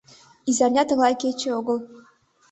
Изарня тыглай кече огыл.